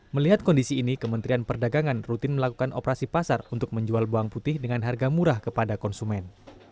melihat kondisi ini kementerian perdagangan rutin melakukan operasi pasar untuk menjual bawang putih dengan harga murah kepada konsumen